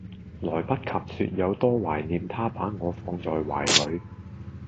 來不及說有多懷念他把我放在懷裏